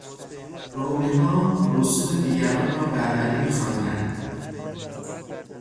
رومیها رسوم دیگران را بربری میخواندند.